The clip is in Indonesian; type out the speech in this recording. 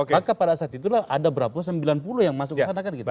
maka pada saat itulah ada berapa sembilan puluh yang masuk ke sana kan gitu